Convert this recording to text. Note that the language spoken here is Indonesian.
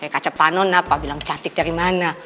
kaca pano kenapa bilang cantik dari mana